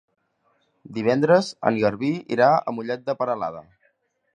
Divendres en Garbí irà a Mollet de Peralada.